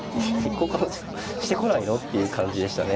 交換してこないの？っていう感じでしたね。